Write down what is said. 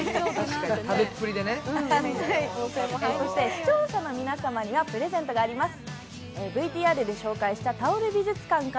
視聴者の皆様にはプレゼントがあります。